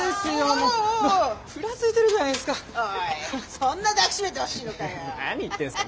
そんな抱きしめてほしいのかよ。